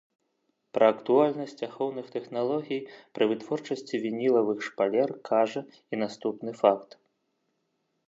Пра актуальнасць ахоўных тэхналогій пры вытворчасці вінілавых шпалер кажа і наступны факт.